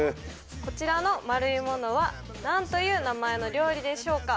こちらの丸いものは何という名前の料理でしょうか？